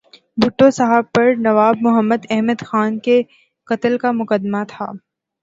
بھٹو صاحب پر نواب محمد احمد خان کے قتل کا مقدمہ تھا۔